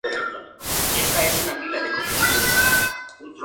Este último viene acompañado por el efecto de luz.